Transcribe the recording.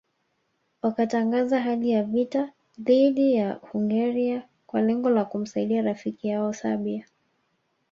Wakatangaza hali ya vita dhidi ya Hungaria kwa lengo la kumsaidia rafiki yao Serbia